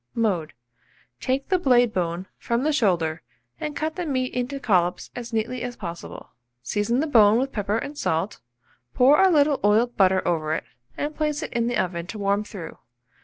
Mode. Take the blade bone from the shoulder, and cut the meat into collops as neatly as possible. Season the bone with pepper and salt, pour a little oiled butter over it, and place it in the oven to warm through.